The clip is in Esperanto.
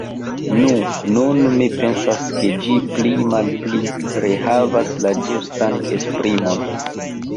Nu, nun mi pensas, ke ĝi pli-malpi rehavas la ĝustan esprimon!